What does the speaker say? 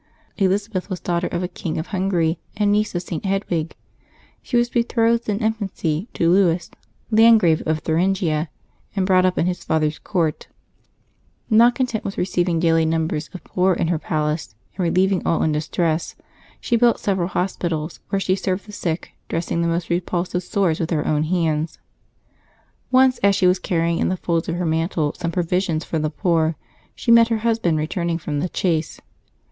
eLiZABETH was daughter of a king of Hungary, and niece of St. Hedwige. She was betrothed in infancy to Louis, Landgrave of Thuringia, and brought up in his father's court Not content wdth receiving daily numbers of poor in her palace, and relieving all in distress, she built several hospitals, where she served the sick, dress ing the most repulsive sores with her own hands. Once as she was carrying in the folds of her mantle some provisions for the poor, she met her husband returning from the chase.